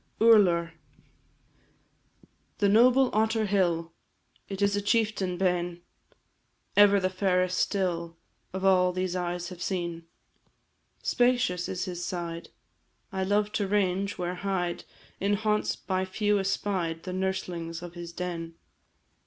URLAR. The noble Otter hill! It is a chieftain Beinn, Ever the fairest still Of all these eyes have seen. Spacious is his side; I love to range where hide, In haunts by few espied, The nurslings of his den.